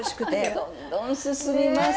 どんどん進みますわね。